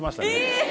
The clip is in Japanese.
え！？